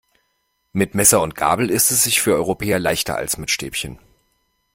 Mit Messer und Gabel isst es sich für Europäer leichter als mit Stäbchen.